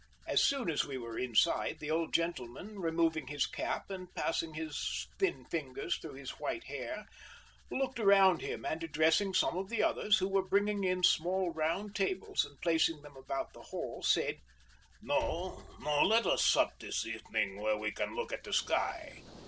As soon as we were inside, the old gentleman, removing his cap and passing his thin fingers through his white hair, looked around him, and addressing some of the others, who were bringing in small round tables and placing them about the hall, said: "No, no; let us sup this evening where we can look at the sky."